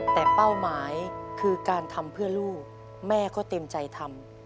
แต่เป้าหมายคือการทำเพื่อลูกแม่ก็เต็มใจทำ